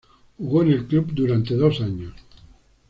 Jugó en el club durante dos años.